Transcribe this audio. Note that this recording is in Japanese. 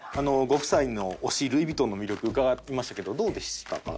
ご夫妻の推しルイ・ヴィトンの魅力伺いましたけどどうでしたか？